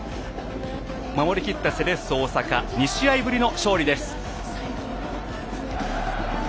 守りきったセレッソ大阪２試合ぶりの勝利です。